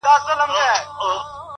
په افسانو کي به یادیږي ونه،،!